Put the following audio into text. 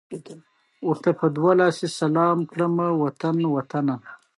علي د کلیوالو شخړې ته حق حیران ولاړ دی.